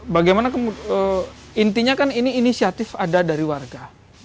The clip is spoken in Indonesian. bagaimana intinya kan ini inisiatif ada dari warga